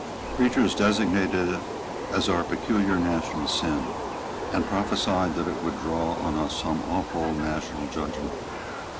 Preachers designated it as our peculiar national sin, and prophesied that it would draw on us some awful national judgment.